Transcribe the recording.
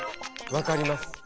分かります。